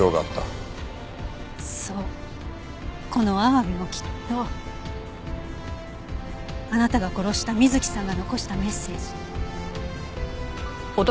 そうこのアワビもきっとあなたが殺した瑞希さんが残したメッセージ。